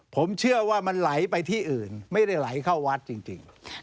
ผมเชื่อว่ามันไหลไปที่อื่นไม่ได้ไหลเข้าวัดจริง